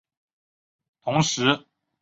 同时是没有转辙器的棒线车站。